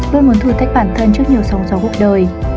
luôn muốn thử thách bản thân trước nhiều sống do cuộc đời